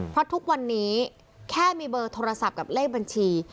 เพราะทุกวันนี้แค่มีเบอร์โทรศัพท์กับเลขบัญชี